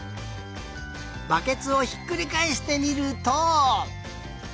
バケツをひっくりかえしてみると。